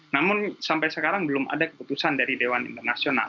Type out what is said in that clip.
namun sampai sekarang belum ada keputusan dari dewan internasional